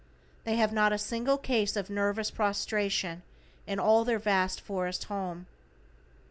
They have not a single case of nervous prostration in all their vast forest home.